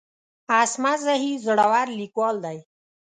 عصمت زهیر زړور ليکوال دی.